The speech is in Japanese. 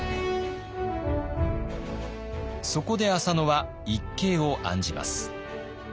そこで浅野は一計を案じます。